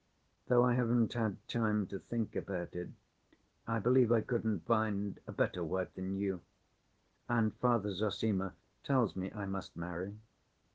Though I haven't had time to think about it, I believe I couldn't find a better wife than you, and Father Zossima tells me I must marry."